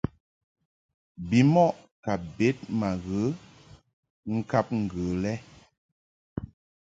Bimɔʼ ka bed ma ghe ŋkab ŋgə lɛ.